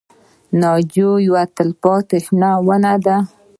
ناجو یوه تل شنه ونه ده